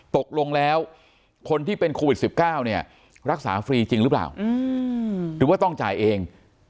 ตกลงแล้วคนที่เป็นโควิด๑๙เนี่ยรักษาฟรีจริงหรือเปล่าหรือว่าต้องจ่ายเอง